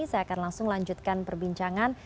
saya akan langsung lanjutkan perbincangan